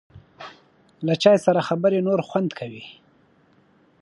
له چای سره خبرې نور خوند کوي.